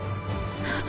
あ！